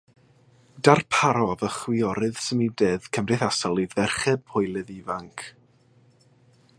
Darparodd y chwiorydd symudedd cymdeithasol i ferched Pwylaidd ifanc.